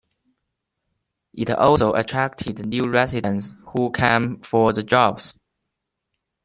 It also attracted new residents who came for the jobs.